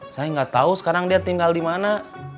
saya gak tau sekarang dia tinggal dimana